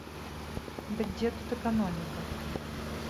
Дык дзе тут эканоміка?